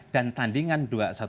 dan tandingan dua ratus dua belas